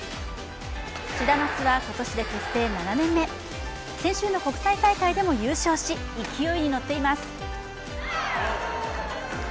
シダマツは今年で結成７年目、先週の国際大会でも優勝し勢いに乗っています。